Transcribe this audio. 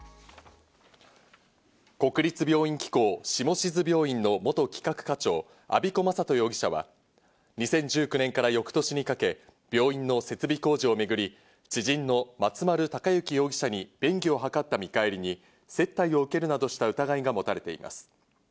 国立病院機構・下志津病院の元企画課長・安彦昌人容疑者は、２０１９年から翌年にかけ、病院の設備工事をめぐり知人の松丸隆行容疑者に便宜を図った見返りに、接待を受けるなどした疑いが持たれています。